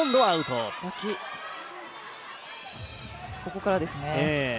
ここからですね。